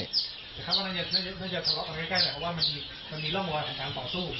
กันใกล้ใกล้แหละเพราะว่ามันมีมีร่องมัวทางของสู้